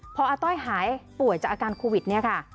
พออาต้อยหายป่วยจากอาการโควิดเนี่ยค่ะ